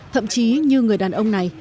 thậm chí như người đàn ông này